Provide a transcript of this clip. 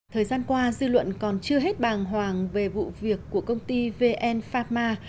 thời gian qua dư luận còn chưa hết bàng hoàng về vụ việc của công ty vn pharma